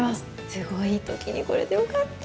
すごい、いいときに来れてよかった。